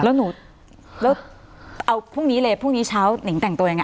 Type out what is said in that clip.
แล้วหนูแล้วเอาพรุ่งนี้เลยพรุ่งนี้เช้าหนิงแต่งตัวยังไง